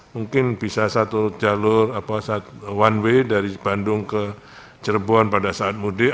mungkin bisa satu jalur one way dari bandung ke cirebon pada saat mudik